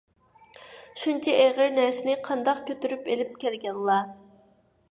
شۇنچە ئېغىر نەرسىنى قانداق كۆتۈرۈپ ئېلىپ كەلگەنلا؟